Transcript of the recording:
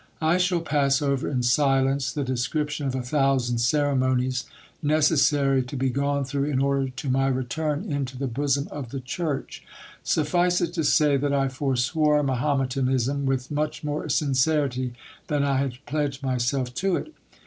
I shall pass over in silence the description of a thou sand ceremonies, necessary to be gone through, in order to my return into the bosom of the church ; suffice it to say, that I forswore Mahometanism with «much more sincerity than I had pledged myself to it.